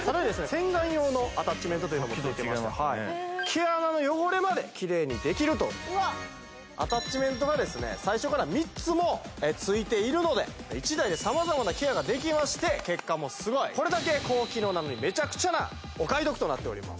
洗顔用のアタッチメントというのもついてまして毛穴の汚れまでキレイにできるとアタッチメントがですね最初から３つもついているので１台で様々なケアができまして結果もすごいこれだけ高機能なのにめちゃくちゃなお買い得となっております